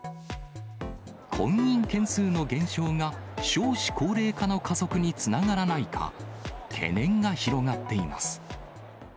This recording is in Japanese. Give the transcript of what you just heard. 婚姻件数の減少が少子高齢化の加速につながらないか、懸念が広がっています。